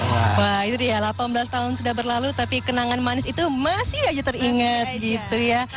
wah itu dia delapan belas tahun sudah berlalu tapi kenangan manis itu masih aja teringat gitu ya